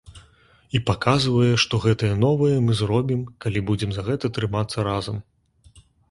І паказвае, што гэтае новае мы зробім, калі будзем за гэта трымацца разам.